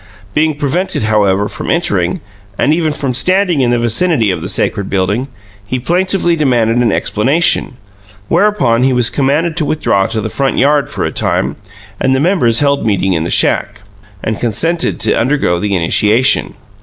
Being prevented, however, from entering, and even from standing in the vicinity of the sacred building, he plaintively demanded an explanation; whereupon he was commanded to withdraw to the front yard for a time, and the members held meeting in the shack. Roddy was elected, and consented to undergo the initiation.